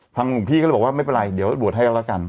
หลวงพี่ก็เลยบอกว่าไม่เป็นไรเดี๋ยวบวชให้กันแล้วกัน